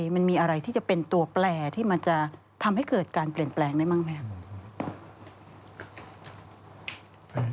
มันมีอะไรที่จะเป็นตัวแปลที่มันจะทำให้เกิดการเปลี่ยนแปลงได้บ้างไหมครับ